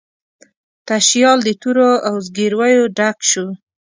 تشیال د تورو او زګیرویو ډک شو